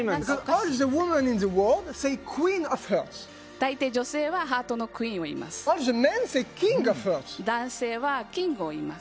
大体女性はハートのクイーンを言います。